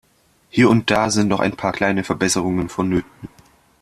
Hier und da sind noch ein paar kleine Verbesserungen vonnöten.